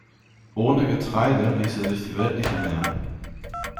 Ohne Getreide ließe sich die Welt nicht ernähren.